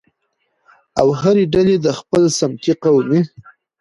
او هرې ډلې د خپل سمتي، قومي